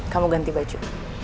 kamu ganti baju